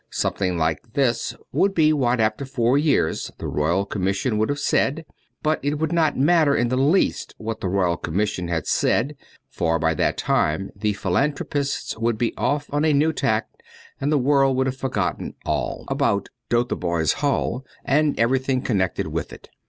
Something like this would be what, after four years, the Royal Commission would have said; but it would not matter in the least what the Royal Commission had said, for by that time the philanthropists would be off on a new tack and the world would have forgotten all 273 T about Dotheboys Hall and everything connected with it.